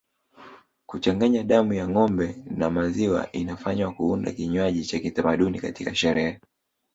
Kuchanganya damu ya ngombe na maziwa inafanywa kuandaa kinywaji cha kitamaduni katika sherehe